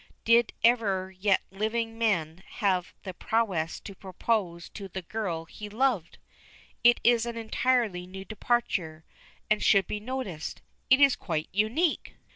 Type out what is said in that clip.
Did ever yet living man have the prowess to propose to the girl he loved! It is an entirely new departure, and should be noticed. It is quite unique!"